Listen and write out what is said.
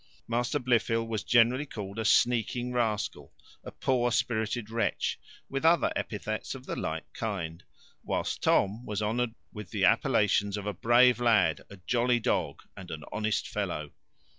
Master Blifil was generally called a sneaking rascal, a poor spirited wretch, with other epithets of the like kind; whilst Tom was honoured with the appellations of a brave lad, a jolly dog, and an honest fellow.